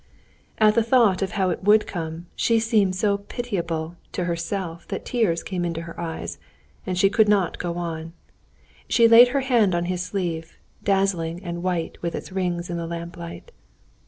And at the thought of how it would come, she seemed so pitiable to herself that tears came into her eyes, and she could not go on. She laid her hand on his sleeve, dazzling and white with its rings in the lamplight.